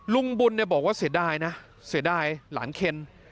ลุงบุญบอกว่าเสียดายร้านเคน